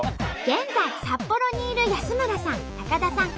現在札幌にいる安村さん高田さん